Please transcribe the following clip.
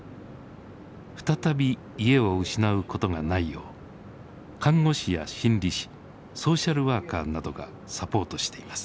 再び家を失うことがないよう看護師や心理士ソーシャルワーカーなどがサポートしています。